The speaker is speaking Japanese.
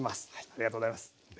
ありがとうございます。